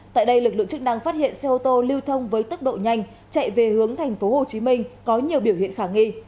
tại đây lực lượng chức năng phát hiện xe ô tô lưu thông với tốc độ nhanh chạy về hướng thành phố hồ chí minh có nhiều biểu hiện khả nghi